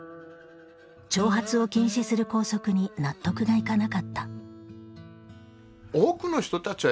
長髪を禁止する校則に納得がいかなかった。